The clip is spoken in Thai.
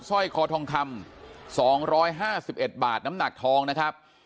สร้อยคอทองคำ๒๕๑บาทน้ำหนักทองนะครับ